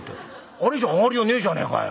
あれじゃ上がりようねえじゃねえかよ。